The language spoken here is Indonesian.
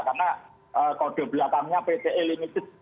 karena kode belakangnya pce limited